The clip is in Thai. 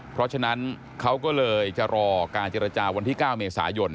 เพราะฉะนั้นเขาก็เลยจะรอการเจรจาวันที่๙เมษายน